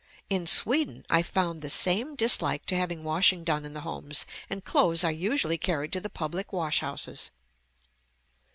In Sweden, I found the same dislike to having washing done in the homes, and clothes are usually carried to the public wash houses.